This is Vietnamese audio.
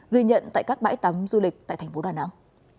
ghi nhận tại các bãi tắm du lịch tại thành phố đà nẵng